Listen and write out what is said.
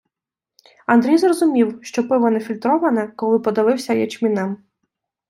Андрій зрозумів, що пиво нефільтроване, коли подавився ячмінем.